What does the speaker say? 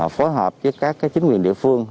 phối hợp với các chính quyền địa phương